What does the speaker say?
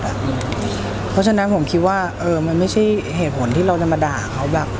เพราะฉะนั้นผมคิดว่ามันไม่ใช่เหตุผลที่เราจะมาด่าเขาแบบ